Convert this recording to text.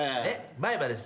前歯です。